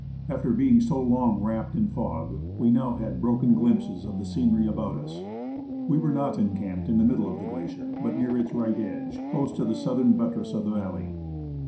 After being so long wrapped in fog, we now had broken glimpses of the scenery about us. We were not encamped in the middle of the glacier, but near its right edge, close to the southern buttress of the valley.